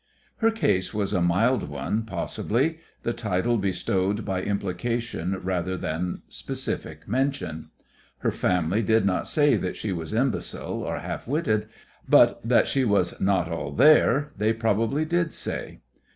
Her case was a mild one, possibly; the title bestowed by implication rather than by specific mention. Her family did not say that she was imbecile or half witted, but that she "was not all there" they probably did say.